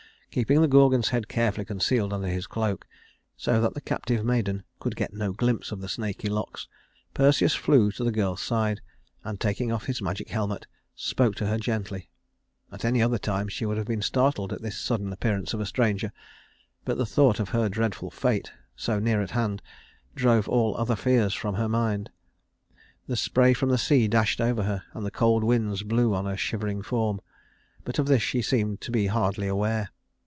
Keeping the Gorgon's head carefully concealed under his cloak, so that the captive maiden could get no glimpse of the snaky locks, Perseus flew to the girl's side, and, taking off his magic helmet, spoke to her gently. At any other time she would have been startled at this sudden appearance of a stranger; but the thought of her dreadful fate, so near at hand, drove all other fears from her mind. The spray from the sea dashed over her, and the cold winds blew on her shivering form; but of this she seemed to be hardly aware.